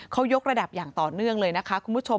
เขายกระดับอย่างต่อเนื่องเลยนะคะคุณผู้ชม